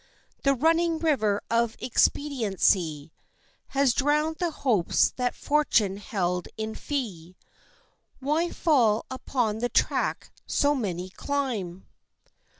The running river of expediency Has drowned the hopes that Fortune held in fee Why fall upon the track so many climb?